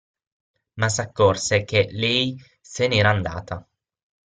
Ma s'accorse che lei se n'era andata.